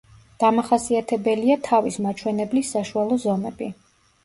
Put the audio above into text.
დამახასიათებელია თავის მაჩვენებლის საშუალო ზომები.